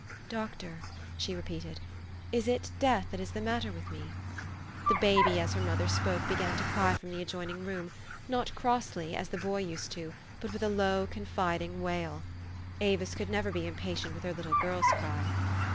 " Doctor," she repeated, "is it death that is the matter with me? " The baby, as her mother spoke, began to cry from the adjoining room ; not cross!}', as the boy used to, but with a low, confiding wail. Avis could never be impatient with her little girl's cry.